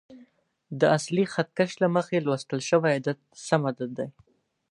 د اصلي خط کش له مخې لوستل شوی عدد سم عدد دی.